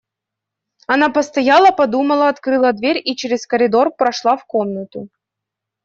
Она постояла, подумала, открыла дверь и через коридор прошла в комнату.